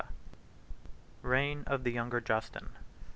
Reign Of The Younger Justin.